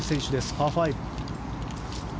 パー５。